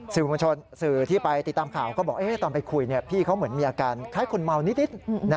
สื่อที่ไปติดตามข่าวก็บอกตอนไปคุยพี่เขาเหมือนมีอาการคล้ายคนเมานิด